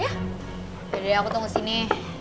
yaudah deh aku tunggu sini